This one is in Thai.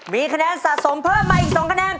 มีคะแนนสะสมเพิ่มมาอีก๒คะแนน